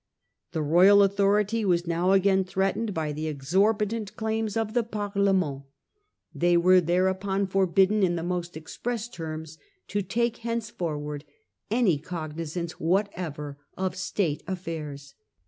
The royal authority was now again threatened by the exorbitant claims of the Parlement. They were there upon forbidden in the most express terms to take hence forward any cognisance whatsoever of State affairs.